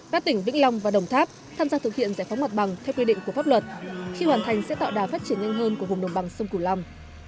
các tỉnh vĩnh long và đồng tháp tham gia thực hiện giải phóng mặt bằng theo quy định của pháp luật khi hoàn thành sẽ tạo đà phát triển nhanh hơn của vùng đồng bằng sông cửu long